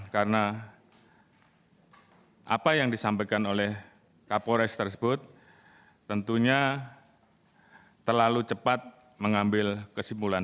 karena apa yang disampaikan oleh kapolres tersebut tentunya terlalu cepat mengambil kesimpulan